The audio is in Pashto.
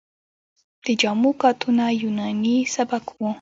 د جامو کاتونه یوناني سبک و